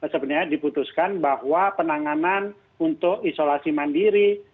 sebenarnya diputuskan bahwa penanganan untuk isolasi mandiri